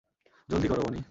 জলদি করো, বনি!